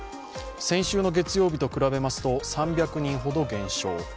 先週の月曜日と比べますと３００人ほど減少。